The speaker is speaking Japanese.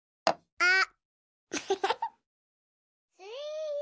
あっ！